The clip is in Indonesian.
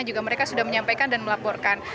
juga mereka sudah menyampaikan dan melaporkan